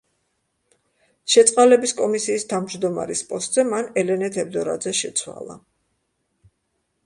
შეწყალების კომისიის თავმჯდომარის პოსტზე მან ელენე თევდორაძე შეცვალა.